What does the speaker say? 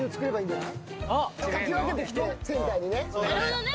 なるほどね